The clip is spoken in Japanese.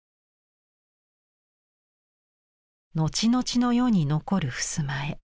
後々の世に残るふすま絵。